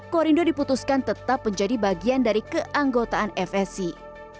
korindo diputuskan tetap menjadi bagian dari keanggotaan fsc